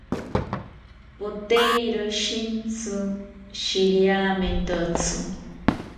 Poteiro shintsi shiriamentotzi